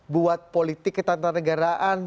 buat politik ketentang negaraan